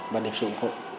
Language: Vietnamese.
và được sử dụng